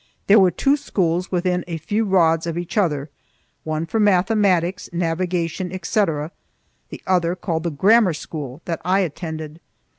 There were two schools within a few rods of each other, one for mathematics, navigation, etc., the other, called the grammar school, that I attended.